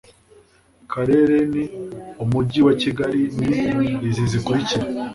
karere n umujyi wa kigali ni izi zikurikira